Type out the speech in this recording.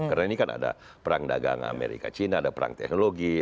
karena ini kan ada perang dagang amerika cina ada perang teknologi